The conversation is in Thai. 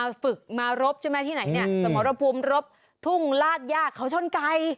ฝึกมารบใช่ไหมที่ไหนเนี่ยสมรภูมิรบทุ่งลาดยากเขาชนไก่